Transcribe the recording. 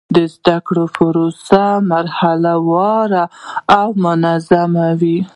د زده کړې پروسه مرحله وار او منظم و.